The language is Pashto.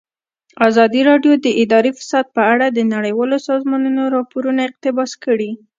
ازادي راډیو د اداري فساد په اړه د نړیوالو سازمانونو راپورونه اقتباس کړي.